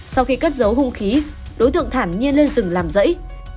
sau khi cất dấu hung khí đối tượng thản nhiên lên rừng làm rẫy